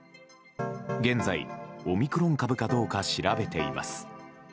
現在、オミクロン株かどうか調べています。